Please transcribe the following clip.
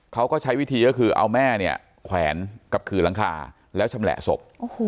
เขาก็ใช้วิธีก็คือเอาแม่เนี่ยแขวนกับขื่อหลังคาแล้วชำแหละศพ